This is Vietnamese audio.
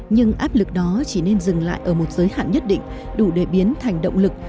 nhưng áp lực đó chỉ nên dừng lại ở một giới hạn nhất định đủ để biến thành động lực